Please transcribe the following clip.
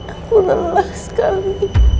aku lelah sekali